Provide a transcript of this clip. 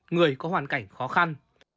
người có hoàn cảnh khó khăn